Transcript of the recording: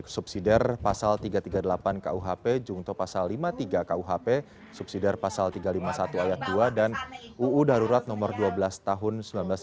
subsidi pasal tiga ratus tiga puluh delapan kuhp jungto pasal lima puluh tiga kuhp subsidi pasal tiga ratus lima puluh satu ayat dua dan uu darurat nomor dua belas tahun seribu sembilan ratus sembilan puluh